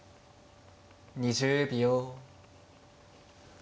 ２０秒。